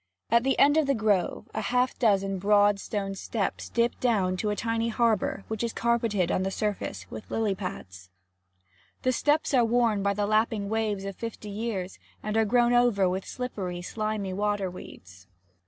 At the end of the grove, half a dozen broad stone steps dip down to a tiny harbour which is carpeted on the surface with lily pads. The steps are worn by the lapping waves of fifty years, and are grown over with slippery, slimy water weeds.